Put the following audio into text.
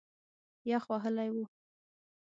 یخ وهلی و.